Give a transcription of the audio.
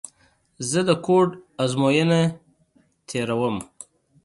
زه د کوډ ازموینه تېره ووم.